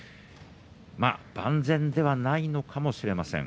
万全ではないのかもしれません。